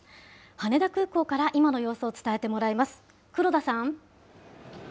羽田空港から今の様子を伝えてもらいます。